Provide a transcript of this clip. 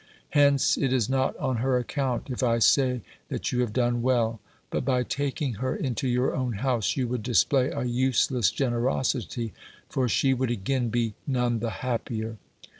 Hence it is not on her account if I say that you have done well. But by taking her into your own house you would display a useless generosity, for she would again be none the happier.